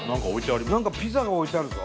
何かピザが置いてあるぞ。